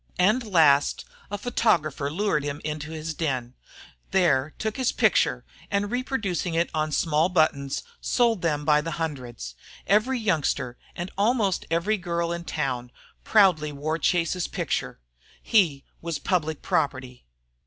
And last, a photographer lured him into his den, there took his picture, and reproducing it on small buttons, sold them by the hundreds. Every youngster and almost every girl in town proudly wore Chase's picture. He was public property.